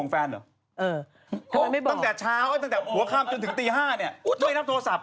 แล้วไม่แงะโทรศัพท์ดูเลยเหรอ